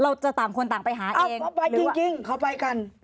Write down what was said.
เราจะต่างคนต่างไปหาอ้าวเขาไปจริงเขาไปกัน